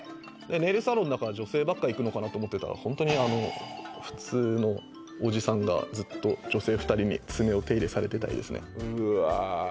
ネイルサロンだから女性ばっか行くのかなと思ってたらホントに普通のおじさんがずっと女性２人に爪を手入れされてたりですねうわ